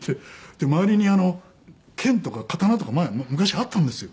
で周りに剣とか刀とか昔あったんですよ